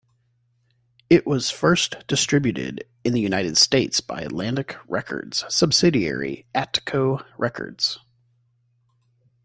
It was first distributed in the United States by Atlantic Records subsidiary Atco Records.